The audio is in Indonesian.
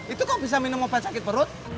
itu kok bisa minum obat sakit perut